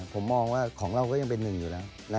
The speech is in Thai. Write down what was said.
ผมมองว่าของเราก็ยังเป็นหนึ่งอยู่แล้ว